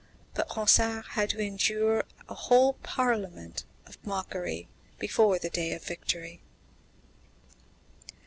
But Ronsard had to endure a whole parliament of mockery before the day of victory.